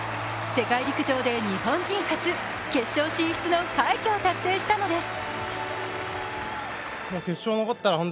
世界陸上で日本人初、決勝進出の快挙を達成したのです。